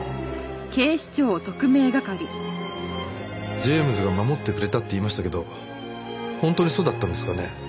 ジェームズが守ってくれたって言いましたけど本当にそうだったんですかね？